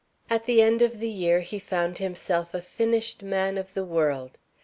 At the end of the year he found himself a finished man of the world.